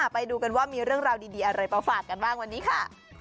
ไปดูกันว่ามีเรื่องราวดีอะไรมาฝากกันบ้างวันนี้ค่ะ